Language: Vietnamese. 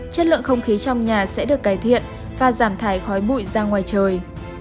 chất lượng không khí trong nhà sẽ được cải thiện và giảm thải khói bụi ra ngoài trời